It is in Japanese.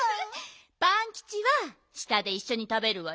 パンキチは下でいっしょにたべるわよ。